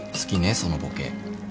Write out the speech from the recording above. そのボケ。